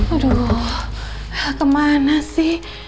aduh kemana sih